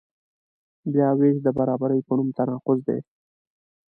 بیاوېش د برابرۍ په نوم تناقض دی.